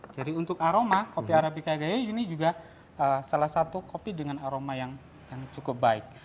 jadi untuk aroma kopi arabica gayo ini juga salah satu kopi dengan aroma yang cukup baik